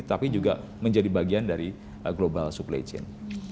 tapi juga menjadi bagian dari global supply chain